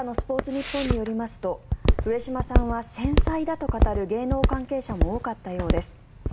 ニッポンによりますと上島さんは繊細だと語る芸能関係者も多かったようです。